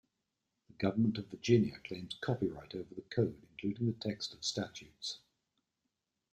The government of Virginia claims copyright over the Code, including the text of statutes.